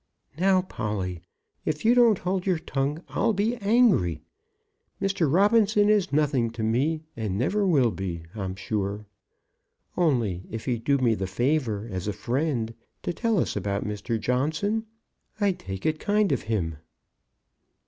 "Now, Polly, if you don't hold your tongue, I'll be angry! Mr. Robinson is nothing to me, and never will be, I'm sure. Only if he'd do me the favour, as a friend, to tell us about Mr. Johnson, I'd take it kind of him."